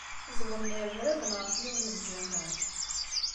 Ẓedmen yirebraben ɣef yiwen n lǧameε.